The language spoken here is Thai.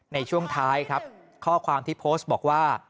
ในช่วงท้ายครับข้อความที่โพสต์บอกว่า